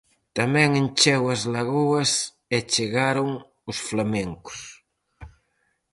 Tamén encheu as lagoas e chegaron os flamencos.